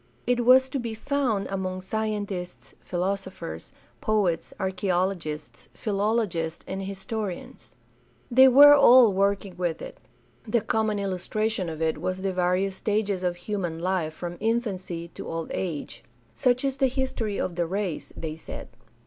It was to be found among scientists, philosophers, poets, archaeologists, philolo gists, and historians. They were all working with it. The THE DEVELOPMENT OF MODERN CHRISTIANITY 463 common ' illustration of it was the various stages of human Hfe from infancy to old age. Such is the history of the race, they said.